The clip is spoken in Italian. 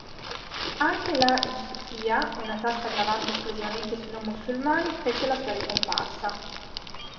Anche la "jizya", una tassa gravante esclusivamente sui non musulmani, fece la sua ricomparsa.